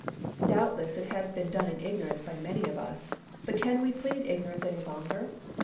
Doubtless it has been done in ignorance by many of us, but can we plead ignorance any longer?